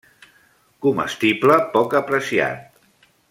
Comestible poc apreciat.